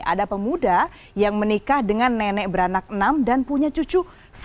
ada pemuda yang menikah dengan nenek beranak enam dan punya cucu satu